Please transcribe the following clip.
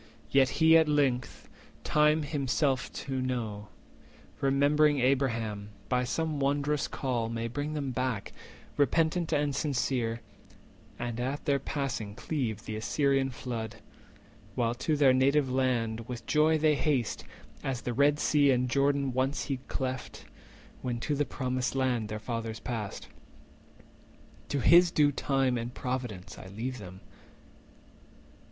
Yet He at length, time to himself best known, Remembering Abraham, by some wondrous call May bring them back, repentant and sincere, And at their passing cleave the Assyrian flood, While to their native land with joy they haste, As the Red Sea and Jordan once he cleft, When to the Promised Land their fathers passed. To his due time and providence I leave them."